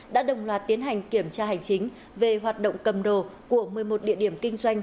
đã đồng loạt tiến hành kiểm tra hành chính về hoạt động cầm đồ của một mươi một địa điểm kinh doanh